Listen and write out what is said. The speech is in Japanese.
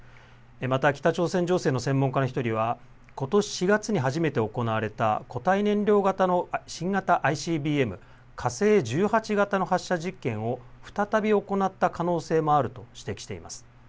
また北朝鮮情勢の専門家の１人はことし４月に初めて行われた固体燃料型の新型ＩＣＢＭ、火星１８型の発射実験を再び行った可能性もあると指摘しています。